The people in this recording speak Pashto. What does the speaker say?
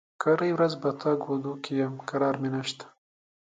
کرۍ ورځ په تګ و دو کې يم؛ کرار مې نشته.